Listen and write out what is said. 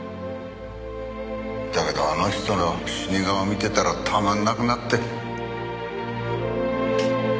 だけどあの人の死に顔見てたらたまんなくなって。